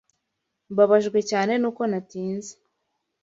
Mbabajwe cyane nuko natinze.